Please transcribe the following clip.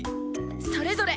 それぞれ！